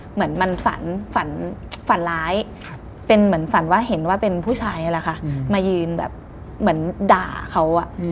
เหมือนแบบว่า